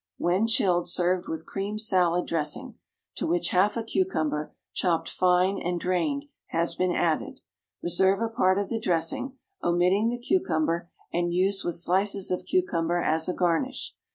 When chilled serve with Cream Salad Dressing (page 27), to which half a cucumber, chopped fine and drained, has been added. Reserve a part of the dressing, omitting the cucumber, and use with slices of cucumber as a garnish.